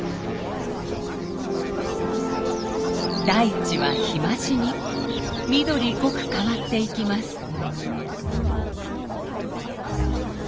大地は日増しに緑濃く変わっていきます。